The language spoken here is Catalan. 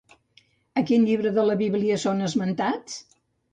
A quin llibre de la Bíblia són esmentats?